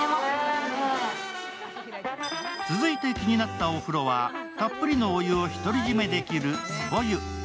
続いて気になったお風呂はたっぷりのお湯を独り占めできる壺湯。